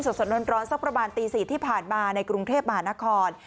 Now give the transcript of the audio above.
สดร้อนสักประมาณตี๔ที่ผ่านมาในกรุงเทพมหานคร